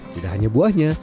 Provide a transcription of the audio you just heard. tidak hanya buahnya